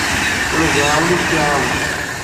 Ula d aɛawen ur t-iɛawen.